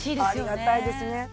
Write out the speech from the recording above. ありがたいですね。